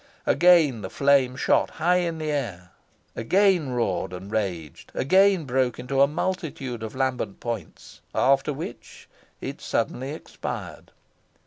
Again the flame shot high in air, again roared and raged, again broke into a multitude of lambent points, after which it suddenly expired.